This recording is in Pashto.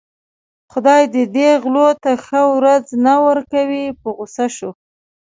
خدای دې دې غلو ته ښه ورځ نه ورکوي په غوسه شو.